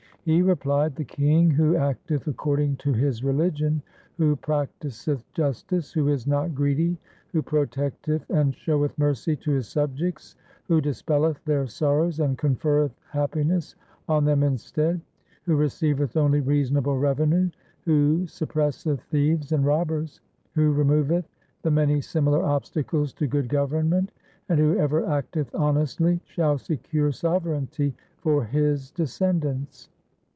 He replied, ' The king who acteth according to his religion, who practiseth justice, who is not greedy, who protecteth and showeth mercy to his subjects, who dispelleth their sorrows and conferreth happiness on them instead, who receiveth only reasonable revenue, who suppresseth thieves and robbers, who removeth the many similar obstacles to good government, and who ever acteth honestly, shall secure sovereignty for his descendants.